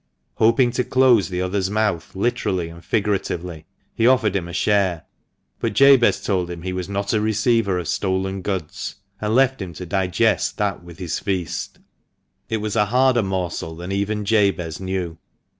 Hoping to close the other's mouth literally and figuratively, he offered him a share, but Jabez told him he was not a receiver of stolen goods, and left him to digest that with his feast. It was a harder morsel than even Jabez knew.